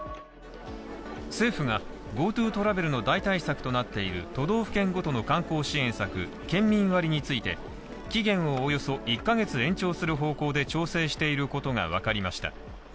政府が、ＧｏＴｏトラベルの代替策となっている都道府県ごとの観光支援策、県民割について期限をおよそ１カ月延長する方向で調整していることが分かりました。